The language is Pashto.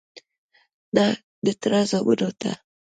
_نه، د تره زامنو ته..